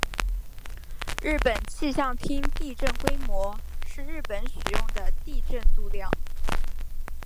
日本气象厅地震规模是日本使用的地震度量。